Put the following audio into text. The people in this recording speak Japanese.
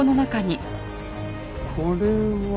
これは？